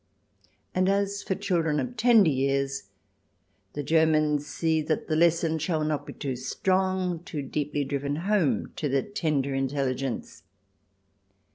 And as for children of tender years, the Germans see that the lesson shall not be too strong, too deeply driven home to the tender intelhgence.